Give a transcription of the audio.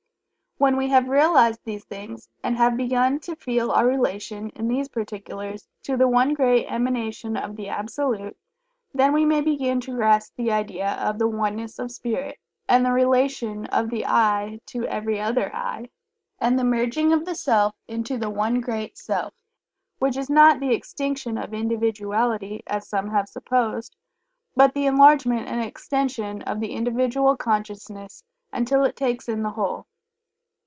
When we have realized these things, and have begun to feel our relation (in these particulars) to the One Great Emanation of the Absolute, then we may begin to grasp the idea of the Oneness of Spirit, and the relation of the "I" to every other "I," and the merging of the Self into the one great Self, which is not the extinction of Individuality, as some have supposed, but the enlargement and extension of the Individual Consciousness until it takes in the Whole.